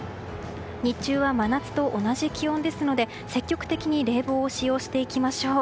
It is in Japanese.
日中は真夏と同じ気温ですので積極的に冷房を使用していきましょう。